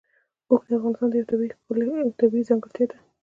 اوښ د افغانستان یوه طبیعي ځانګړتیا ده.